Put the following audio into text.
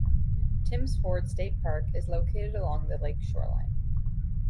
Tims Ford State Park is located along the lake's shoreline.